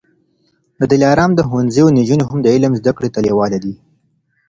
د دلارام د ښوونځیو نجوني هم د علم زده کړې ته لېواله دي.